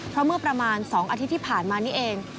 เพราะเมื่อประมาณ๒อาทิตย์ที่ผ่านมานี่เอง